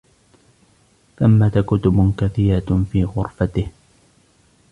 ثمة كتب كثيرة في غرفته.